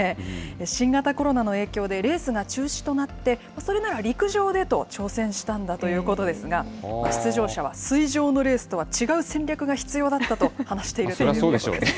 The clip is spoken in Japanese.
新型コロナの影響で、レースが中止となって、それなら陸上でと、挑戦したんだということですが、出場者は水上のレースとは違う戦略が必要だったと話しているといそれはそうでしょうね。